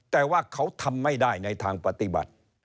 แต่ว่าเขาทำไม่ได้ในทางปฏิบัติ